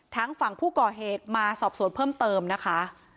ทั้งฝั่งผู้ก่อเหตุมาสอบสวนเพิ่มเติมนะคะ